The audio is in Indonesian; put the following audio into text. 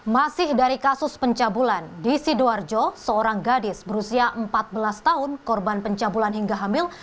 masih dari kasus pencabulan di sidoarjo seorang gadis berusia empat belas tahun korban pencabulan hingga hamil